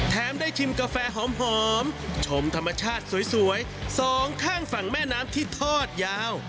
ได้ชิมกาแฟหอมชมธรรมชาติสวยสองข้างฝั่งแม่น้ำที่ทอดยาว